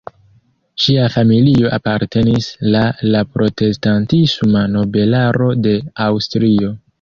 Ŝia familio apartenis la la protestantisma nobelaro de Aŭstrio.